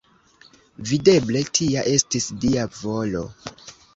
Videble, tia estis Dia volo.